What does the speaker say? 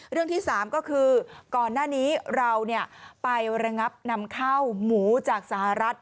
เรื่องที่๓ก็คือก่อนหน้านี้เราไประงับนำข้าวหมูจากสหรัฐ